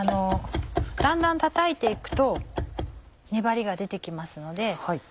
だんだんたたいて行くと粘りが出て来ますので。